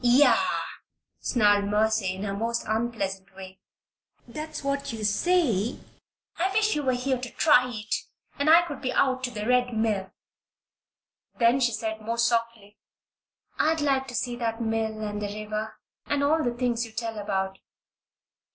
"Yah!" snarled Mercy, in her most unpleasant way. "That's what you say. I wish you were here to try it, and I could be out to the Red Mill." Then she paid more softly: "I'd like to see that mill and the river and all the things you tell about."